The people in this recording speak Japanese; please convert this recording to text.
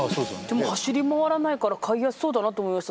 でも走り回らないから飼いやすそうだなと思いました